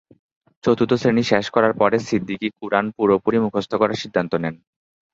চতুর্থ শ্রেণি শেষ করার পরে সিদ্দিকী কুরআন পুরোপুরি মুখস্থ করার সিদ্ধান্ত নেন।